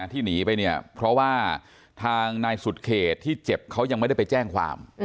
ที่หนีไปเนี่ยเพราะว่าทางนายสุดเขตที่เจ็บเขายังไม่ได้ไปแจ้งความ